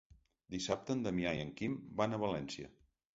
Dissabte en Damià i en Quim van a València.